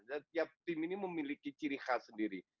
setiap tim ini memiliki ciri khas sendiri